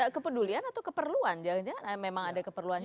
kepedulian atau keperluan jangan jangan memang ada keperluan